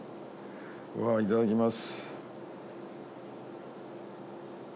うわぁいただきます。